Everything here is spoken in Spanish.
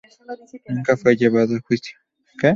Nunca fue llevado a juicio.